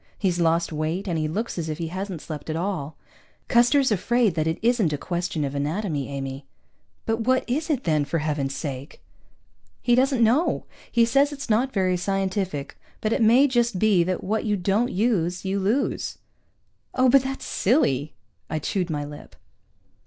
He's lost weight, and he looks as if he hasn't slept at all. "Custer's afraid that it isn't a question of anatomy, Amy." "But what is it, then, for heaven's sake?" "He doesn't know. He says it's not very scientific, but it may just be that what you don't use, you lose." "Oh, but that's silly." I chewed my lip.